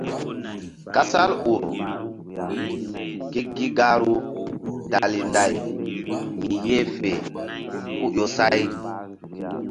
Kasal u ur ke gi gahru dali nday mi yeh fe ku ƴo say.